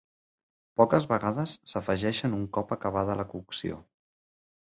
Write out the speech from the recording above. Poques vegades s'afegeixen un cop acabada la cocció.